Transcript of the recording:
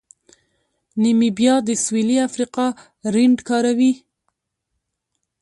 نیمیبیا د سویلي افریقا رینډ کاروي.